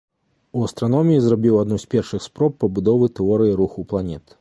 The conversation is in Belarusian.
У астраноміі зрабіў адну з першых спроб пабудовы тэорыі руху планет.